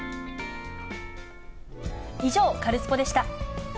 以上、カルスポっ！でした。